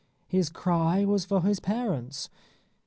His cry was for his parents.